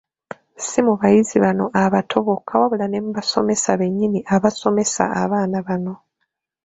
Ssi mu bayizi bano abato bokka wabula ne mu basomesa bennyini abasomesa abaana bano.